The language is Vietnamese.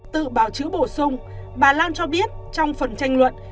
tự báo chứ bổ sung bà lan cho biết trong phần tranh luận